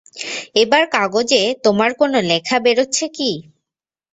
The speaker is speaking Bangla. এবারে কাগজে তোমার কোনো লেখা বেরচ্ছে কি।